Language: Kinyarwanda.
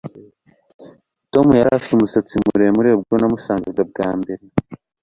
Tom yari afite umusatsi muremure ubwo namusangaga bwa mbere